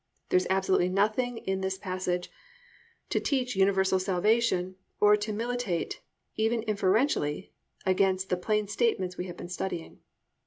There is absolutely nothing in this passage to teach universal salvation or to militate even inferentially against the plain statements we have been studying.